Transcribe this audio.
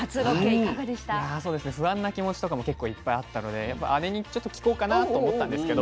いやそうですね不安な気持ちとかも結構いっぱいあったので姉にちょっと聞こうかなと思ったんですけど